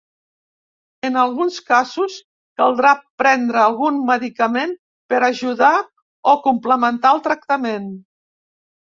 En alguns casos caldrà prendre algun medicament per ajudar o complementar el tractament.